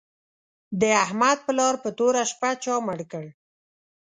د احمد پلار په توره شپه چا مړ کړ